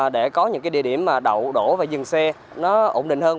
để có những địa điểm đổ và dừng xe ổn định hơn